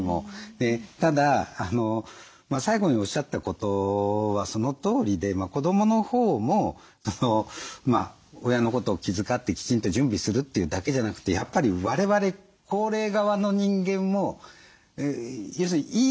ただ最後におっしゃったことはそのとおりで子どものほうも親のことを気遣ってきちんと準備するっていうだけじゃなくてわれわれ高齢側の人間も要するにいい